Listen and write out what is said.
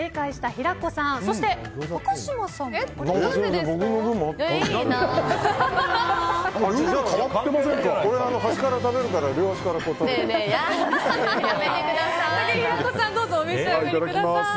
平子さんお召し上がりください。